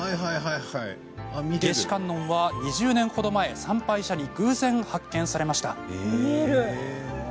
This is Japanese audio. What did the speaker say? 夏至観音は、２０年ほど前参拝者に偶然発見されました。